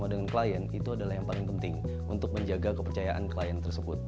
untuk menjaga kepercayaan klien itu adalah yang paling penting untuk menjaga kepercayaan klien tersebut